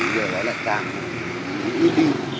thì điều đó lại càng ưu tiên